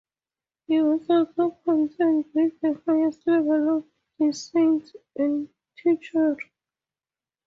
You must also contend with the highest levels of deceit and treachery.